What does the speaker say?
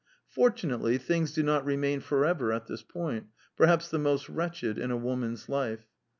Fortunately, things do not re main for ever at this point: perhaps the most wretched in a woman's life.